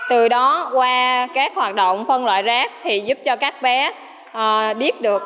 từ đó qua các hoạt động phân loại rác thì giúp cho các bé biết được